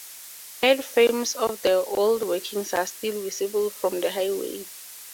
Head frames of the old workings are still visible from the highway.